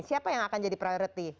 siapa yang akan jadi priority